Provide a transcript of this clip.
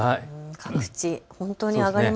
各地、本当に上がりますね。